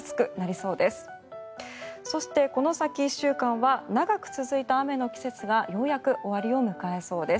そして、この先１週間は長く続いた雨の季節がようやく終わりを迎えそうです。